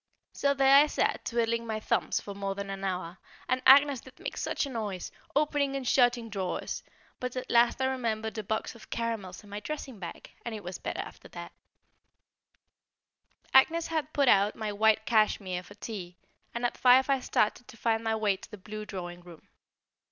So there I sat twiddling my thumbs for more than an hour, and Agnès did make such a noise, opening and shutting drawers, but at last I remembered a box of caramels in my dressing bag, and it was better after that. [Sidenote: A Dull Hour] Agnès had put out my white cashmere for tea, and at five I started to find my way to the blue drawing room.